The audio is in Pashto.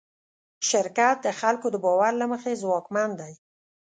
شرکت د خلکو د باور له مخې ځواکمن دی.